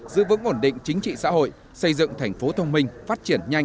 giữ vững ổn định chính trị xã hội xây dựng thành phố thông minh